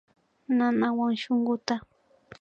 Nanawan shunkuta